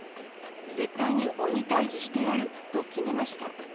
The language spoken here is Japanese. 絶対に鬼退治してやる！と決めました。